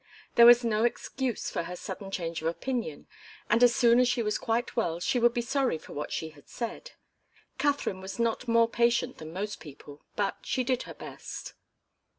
There was no excuse for her sudden change of opinion, and as soon as she was quite well she would be sorry for what she had said. Katharine was not more patient than most people, but she did her best.